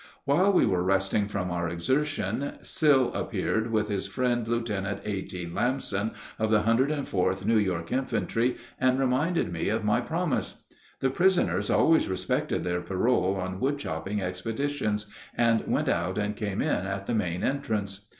While we were resting from our exertion, Sill appeared with his friend Lieutenant A.T. Lamson of the 104th New York Infantry, and reminded me of my promise. The prisoners always respected their parole on wood chopping expeditions, and went out and came in at the main entrance.